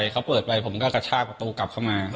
เขาเปิดไปผมก็กระชากประตูกลับเข้ามา